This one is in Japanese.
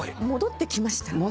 戻ってきました？